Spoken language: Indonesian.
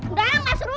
udah gak seru